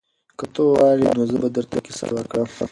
که ته غواړې نو زه به درته کیسه وکړم.